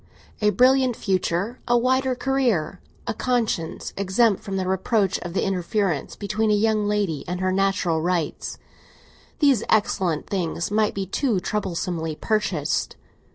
A brilliant future, a wider career, a conscience exempt from the reproach of interference between a young lady and her natural rights—these excellent things might be too troublesomely purchased.